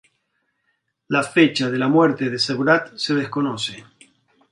La fecha de la muerte de Seurat se desconoce.